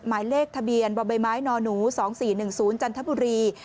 หมายเลขทะเบียนบมน๒๔๑๐จันทบุรี